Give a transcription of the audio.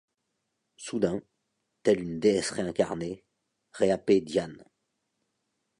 Soudain, telle une déesse réincarnée, réappaît Diane.